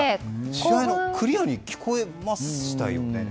試合中はクリアに聞こえましたよね？